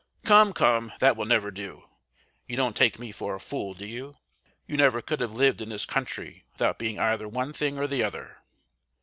"Come! come! That will never do. You don't take me for a fool, do you? You never could have lived in this country without being either one thing or the other.